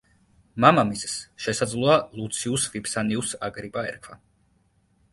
მამამისს, შესაძლოა, ლუციუს ვიფსანიუს აგრიპა ერქვა.